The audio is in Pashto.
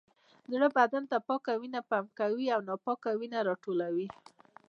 زړه بدن ته پاکه وینه پمپ کوي او ناپاکه وینه راټولوي